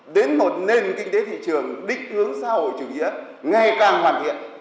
đến một nền kinh tế thị trường định hướng xã hội chủ nghĩa ngày càng hoàn thiện